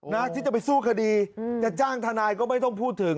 นะที่จะไปสู้คดีจะจ้างทนายก็ไม่ต้องพูดถึง